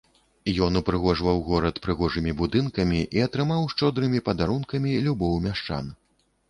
Ён упрыгожваў горад прыгожымі будынкамі і атрымаў шчодрымі падарункамі любоў мяшчан.